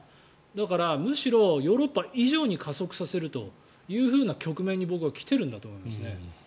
だから、むしろヨーロッパ以上に加速させるというふうな局面に僕は来ていると思います。